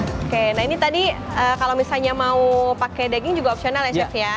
oke nah ini tadi kalau misalnya mau pakai daging juga opsional ya chef ya